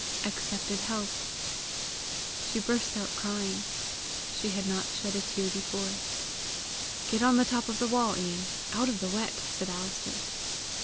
"Accepted help." She burst out crying. She had not shed a tear before. "Get on the top of the wall, Ian, out of the wet," said Alister.